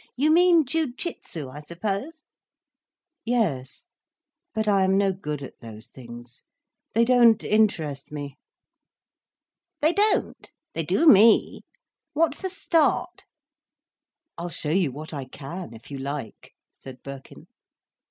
You mean jiu jitsu, I suppose?" "Yes. But I am no good at those things—they don't interest me." "They don't? They do me. What's the start?" "I'll show you what I can, if you like," said Birkin.